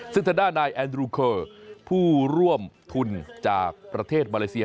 ซึ่งทางด้านนายแอนดรูเคอร์ผู้ร่วมทุนจากประเทศมาเลเซีย